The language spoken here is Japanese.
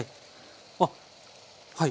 あっはい。